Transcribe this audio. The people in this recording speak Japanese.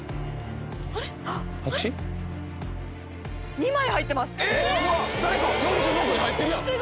２枚入ってます